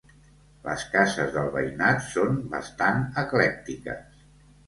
Les cases del veïnat són bastant eclèctiques.